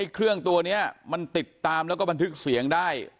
เครื่องตัวนี้มันติดตามแล้วก็บันทึกเสียงได้